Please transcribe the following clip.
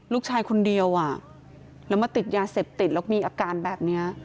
ลูกชายคนเดียวอ่ะแล้วมาติดยาเสพติดแล้วมีอาการแบบนี้